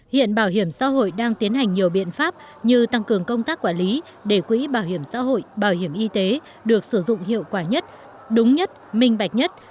hiện bảo hiểm xã hội đang tiến hành nhiều biện pháp như tăng cường công tác quản lý để quỹ bảo hiểm xã hội bảo hiểm y tế được sử dụng hiệu quả nhất đúng nhất minh bạch nhất